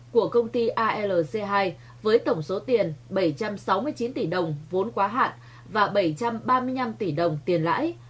của công ty alc hai với tổng số tiền bảy trăm sáu mươi chín tỷ đồng vốn quá hạn và bảy trăm ba mươi năm tỷ đồng tiền lãi